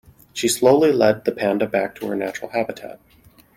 She slowly led the panda back to her natural habitat.